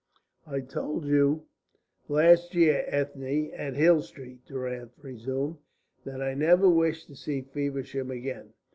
"I told you last year, Ethne, at Hill Street," Durrance resumed, "that I never wished to see Feversham again.